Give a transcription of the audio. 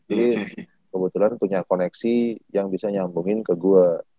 jadi kebetulan punya koneksi yang bisa nyambungin ke gua